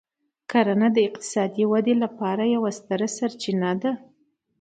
کرنه د اقتصادي ودې لپاره یوه ستره سرچینه ده.